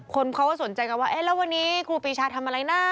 คนเขาก็สนใจกันว่าเอ๊ะแล้ววันนี้ครูปีชาทำอะไรนะ